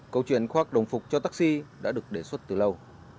câu chuyện khoác đồng phục cho taxi đã được đề xuất từ lâu